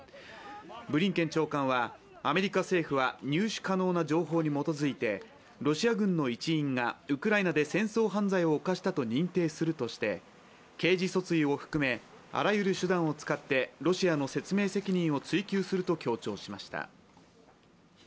ブリンケン長官はアメリカ政府は入手可能な情報に基づいてロシア軍の一員がウクライナで戦争犯罪を犯したと認定するとして刑事訴追を含め、あらゆる手段を使ってロシアの説明責任を追及すると強調しました。